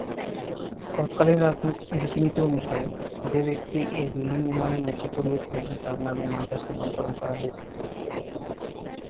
তৎকালীন রীতিনীতি অনুসারে, যে ব্যক্তি এই বিল্ডিং নির্মাণের নেতৃত্ব দিয়েছিল তার নামে মাদ্রাসা নামকরণ করা হয়েছিল।